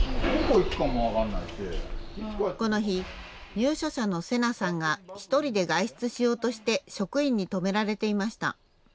入所者のせなさんが１人で外出しようとして、職員に止められていました。